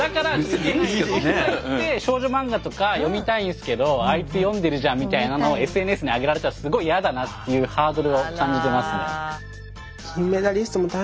ほんとは行って少女漫画とか読みたいんすけどあいつ読んでるじゃんみたいなのをＳＮＳに上げられたらすごいやだなっていうハードルを感じてますね。